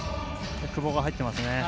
久保が入ってますね。